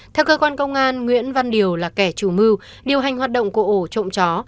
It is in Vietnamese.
theo cơ quan công an nguyễn văn điều là kẻ chủ mưu điều hành hoạt động của ổ trộm chó